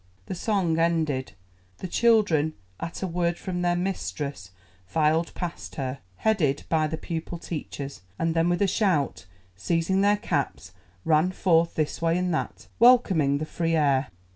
The song ended, the children at a word from their mistress filed past her, headed by the pupil teachers, and then with a shout, seizing their caps, ran forth this way and that, welcoming the free air.